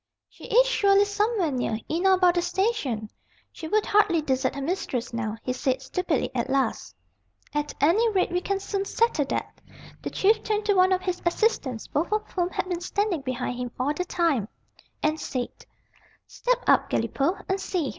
"She is surely somewhere near, in or about the station. She would hardly desert her mistress now," he said, stupidly, at last. "At any rate we can soon settle that." The Chief turned to one of his assistants, both of whom had been standing behind him all the time, and said: "Step out, Galipaud, and see.